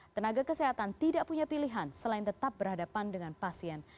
tenaga kesehatan tidak punya pilihan selain tetap berhadapan dengan pasien